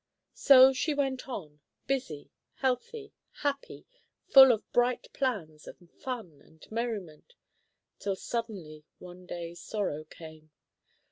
So she went on, busy, healthy, happy, full of bright plans and fun and merriment, till suddenly one day sorrow came.